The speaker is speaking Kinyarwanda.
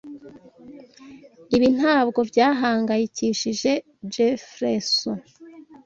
Ibi ntabwo byahangayikishije Jefferson.